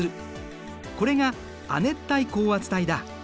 これが亜熱帯高圧帯だ。